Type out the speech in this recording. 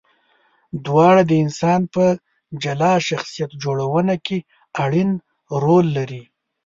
دواړه د انسان په جلا شخصیت جوړونه کې اړین رول لري.